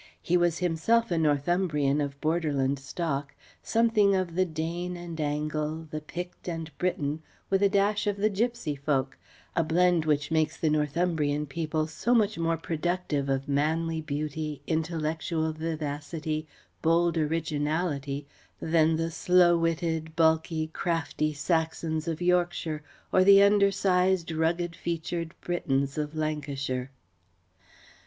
He was himself a Northumbrian of borderland stock: something of the Dane and Angle, the Pict and Briton with a dash of the Gypsy folk: a blend which makes the Northumbrian people so much more productive of manly beauty, intellectual vivacity, bold originality than the slow witted, bulky, crafty Saxons of Yorkshire or the under sized, rugged featured Britons of Lancashire.